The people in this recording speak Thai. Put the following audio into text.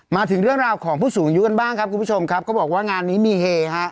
มาถึงเรื่องราวของผู้สูงอายุกันบ้างครับคุณผู้ชมครับเขาบอกว่างานนี้มีเฮฮะ